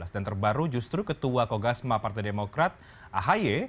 dan terbaru justru ketua kogasma partai demokrat ahy